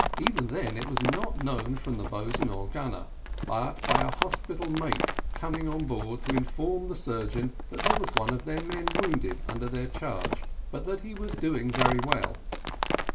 Even then it was not known from the boatswain or gunner, but by a hospital mate coming on board to inform the surgeon that there was one of their men wounded under their charge, but that he was doing very well.